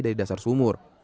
dari dasar sumur